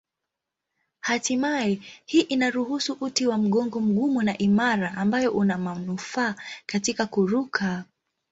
Hatimaye hii inaruhusu uti wa mgongo mgumu na imara ambayo una manufaa katika kuruka.